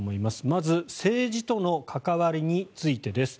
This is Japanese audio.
まず政治との関わりについてです。